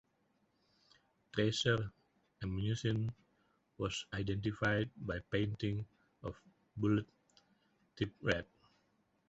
Tracer ammunition was identified by painting the bullet tip red.